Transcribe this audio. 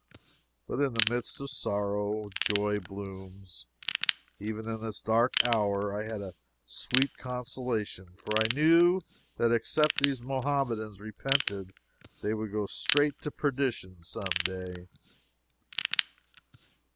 But in the midst of sorrow, joy blooms. Even in this dark hour I had a sweet consolation. For I knew that except these Mohammedans repented they would go straight to perdition some day.